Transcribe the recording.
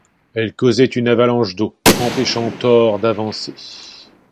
Elle causait une avalanche d'eau empêchant Thor d'avancer.